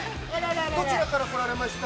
どちらから来られました？